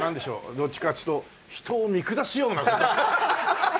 どっちかっつうと人を見下すような。